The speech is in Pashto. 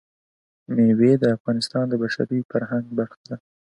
مېوې د افغانستان د بشري فرهنګ برخه ده.